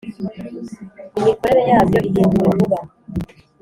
imikorere yabyo ihinduwe vuba.